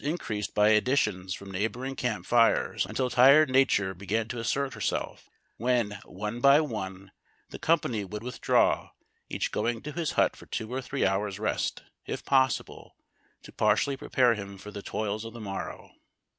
increased by additions from neighboring camp fires, until tired Nature began to assert herself, when one by one the company would withdraw, each going to his hut for two or three hours' rest, if possible, to partially prepare him for the toils of the morrow.